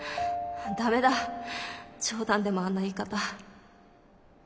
ダメだ冗談でもあんな言い方。